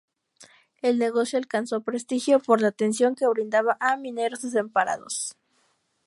El negocio alcanzó prestigio por la atención que brindaba a mineros desamparados.